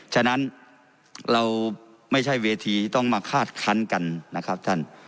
ฉะนั้นเราไม่ใช่เวทีที่ต้องมาคาดคันกันนะครับท่าน